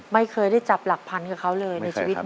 ไม่เคยได้จับหลักพันกับเขาเลยในชีวิต